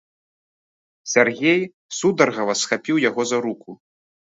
Сяргей сударгава схапіў яго за руку.